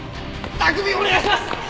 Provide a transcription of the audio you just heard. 卓海をお願いします！